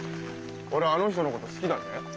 俺あの人のこと好きだぜ。